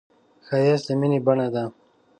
ښایست د مینې بڼه ده